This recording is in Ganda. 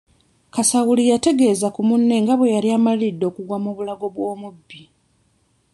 Kasawuli yategeeza ku munne nga bwe yali amaliridde okugwa mu bulago bw'omubbi.